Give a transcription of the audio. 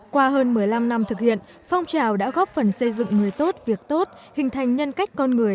qua hơn một mươi năm năm thực hiện phong trào đã góp phần xây dựng người tốt việc tốt hình thành nhân cách con người